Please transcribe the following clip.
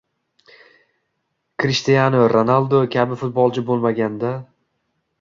Krishtianu Ronaldo kabi futbolchi bo‘lmaganda